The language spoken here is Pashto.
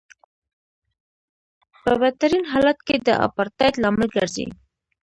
په بدترین حالت کې د اپارټایډ لامل ګرځي.